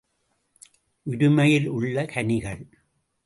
உரிமையில் உள்ள கனிகள்!